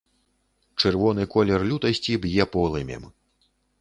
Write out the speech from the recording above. Чырвоны колер лютасці б'е полымем.